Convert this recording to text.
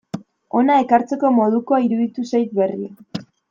Hona ekartzeko modukoa iruditu zait berria.